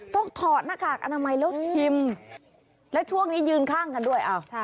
ถอดหน้ากากอนามัยแล้วชิมและช่วงนี้ยืนข้างกันด้วย